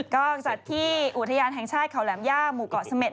ก็จัดที่อุทยานแห่งชาติเขาแหลมย่าหมู่เกาะเสม็ด